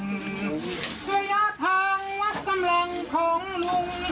พยายามทางวัดสำรังของลุง